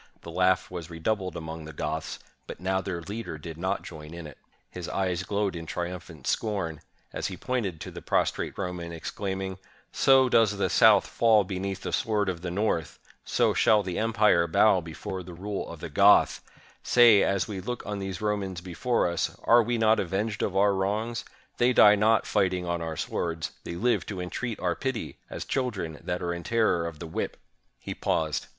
The laugh was redoubled among the Goths ; but now their leader did not join in it. His eyes glowed in triumphant scorn, as he pointed to the prostrate Roman, exclaiming, "So does the South fall beneath the sword of the North! So shall the em pire bow before the rule of the Goth! Say, as we look on these Romans before us, are we not avenged of our wrongs? They die not fighting on our swords; they live to entreat our pity, as children that are in terror of the whip!" He paused.